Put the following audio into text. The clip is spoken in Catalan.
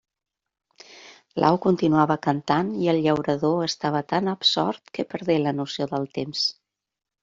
L'au continuava cantant i el llaurador estava tan absort que perdé la noció del temps.